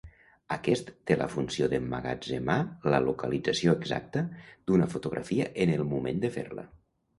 Aquest té la funció d'emmagatzemar la localització exacta d'una fotografia en el moment de fer-la.